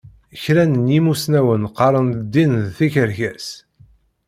Kran n yimussnawen qqaṛen-d ddin d tikerkas.